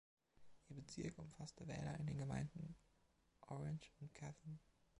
Ihr Bezirk umfasste Wähler in den Gemeinden Orange und Catham.